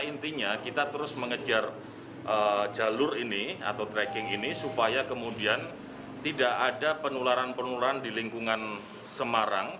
intinya kita terus mengejar jalur ini atau tracking ini supaya kemudian tidak ada penularan penularan di lingkungan semarang